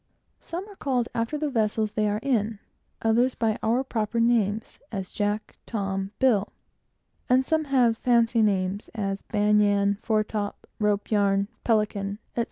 Some are called after the vessel they are in; others by common names, as Jack, Tom, Bill; and some have fancy names, as Ban yan, Fore top, Rope yarn, Pelican, etc.